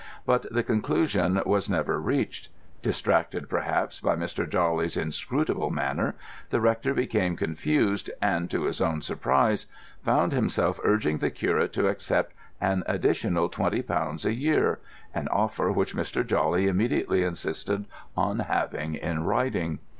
But the conclusion was never reached. Distracted, perhaps, by Mr. Jawley's inscrutable manner, the rector became confused, and, to his own surprise, found himself urging the curate to accept an additional twenty pounds a year—an offer which Mr. Jawley immediately insisted on having in writing.